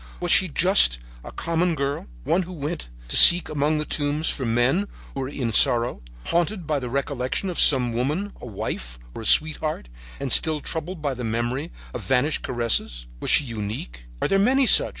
Was she just a common girl, one who went to seek among the tombs for men who were in sorrow, haunted by the recollection of some woman, a wife or a sweetheart, and still troubled by the memory of vanished caresses? Was she unique? Are there many such?